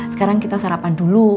sekarang kita sarapan dulu